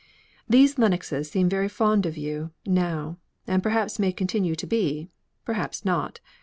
These Lennoxes seem very fond of you now; and perhaps may continue to be; perhaps not.